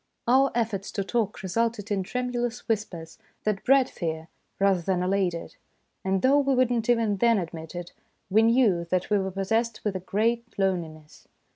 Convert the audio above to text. Our efforts to talk resulted in tremu lous whispers that bred fear rather than allayed it, and though we would not even then admit it, we knew that we were pos sessed with a great loneliness.